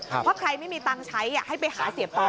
เพราะใครไม่มีตังค์ใช้ให้ไปหาเสียปอ